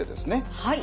はい。